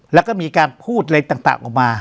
แล้วก็มีการพูดอะไรต่างออกมา